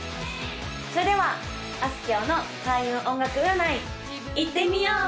それではあすきょうの開運音楽占いいってみよう！